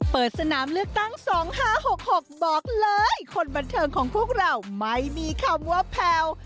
เปิดสนามเลือกตั้ง๒๕๖๖บอกเลยคนบันเทิงของพวกเราไม่มีคำว่าแพลว